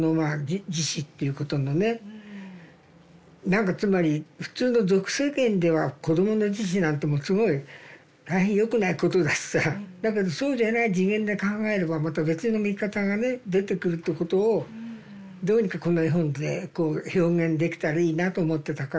何かつまり普通の俗世間では子供の自死なんてもうすごい大変よくないことだしさだけどそうじゃない次元で考えればまた別の見方がね出てくるってことをどうにかこの絵本でこう表現できたらいいなと思ってたから。